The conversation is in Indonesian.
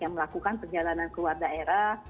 melakukan perjalanan keluar daerah